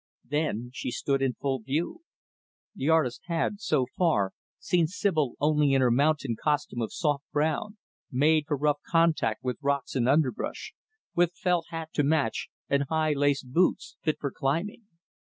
Then she stood in full view. The artist had, so far, seen Sibyl only in her mountain costume of soft brown, made for rough contact with rocks and underbrush, with felt hat to match, and high, laced boots, fit for climbing.